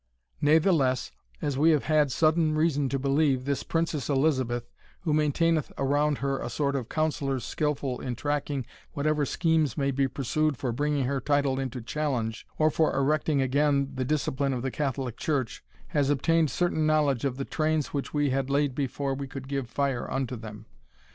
Natheless, as we have had sudden reason to believe, this Princess Elizabeth, who maintaineth around her a sort of counsellors skilful in tracking whatever schemes may be pursued for bringing her title into challenge, or for erecting again the discipline of the Catholic Church, has obtained certain knowledge of the trains which we had laid before we could give fire unto them.